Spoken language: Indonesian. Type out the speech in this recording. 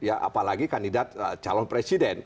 apalagi kandidat calon presiden